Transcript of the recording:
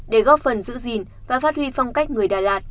để góp phần giữ gìn và phát huy phong cách người đà lạt